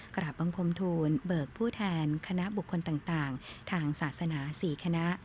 กลับบังคมทูลเบิกผู้แทนคณะบุคคลต่างทางศาสนา๔คณะ